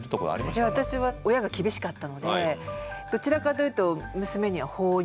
私は親が厳しかったのでどちらかというと娘には放任。